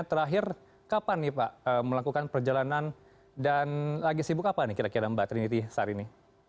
terakhir kapan nih pak melakukan perjalanan dan lagi sibuk apa nih kira kira mbak trinity saat ini